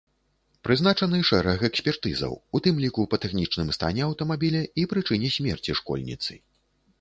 Прызначаны шэраг экспертызаў, у тым ліку па тэхнічным стане аўтамабіля і прычыне смерці школьніцы.